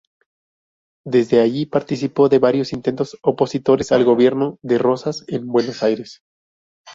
Desde allí participó de varios intentos opositores al gobierno de Rosas en Buenos Aires.